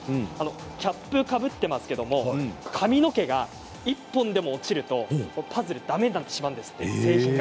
キャップをかぶっていますけれど髪の毛が１本でも落ちるとパズル、だめになってしまうんです、製品が。